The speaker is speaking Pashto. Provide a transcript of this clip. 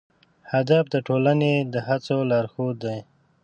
هدف د ټولنې د هڅو لارښود دی.